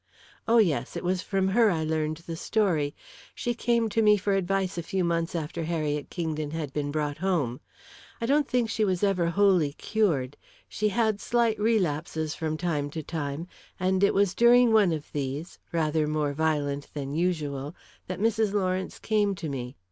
"Oh, yes; it was from her I learned the story. She came to me for advice a few months after Harriet Kingdon had been brought home. I don't think she was ever wholly cured. She had slight relapses from time to time, and it was during one of these, rather more violent than usual, that Mrs. Lawrence came to me.